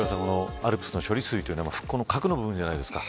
ＡＬＰＳの処理水というのは復興の核の部分じゃないですか。